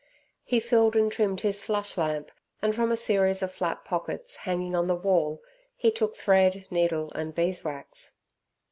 He filled and trimmed his slush lamp, and from a series of flat pockets hanging on the wall he took thread, needle, and beeswax.